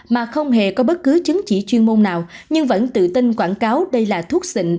mà không hề có bất cứ chứng chỉ chuyên môn nào nhưng vẫn tự tin quảng cáo đây là thuốc xịnh